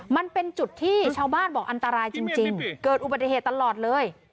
มันเป็นจุดที่ชาวบ้านบอกอันตรายจริงเกิดอุบัติเหตุตลอดเลย